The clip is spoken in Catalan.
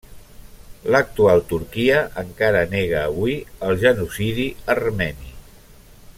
L'actual Turquia encara nega avui el genocidi armeni.